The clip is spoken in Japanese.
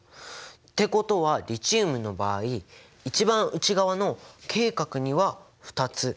ってことはリチウムの場合一番内側のＫ殻には２つ。